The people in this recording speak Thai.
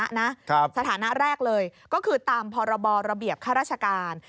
ของสถานะนะสถานะแรกเลยก็คือตามพรบระเบียบค่าราชการ